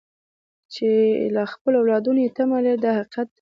چې له خپلو اولادونو یې تمه لرئ دا حقیقت دی.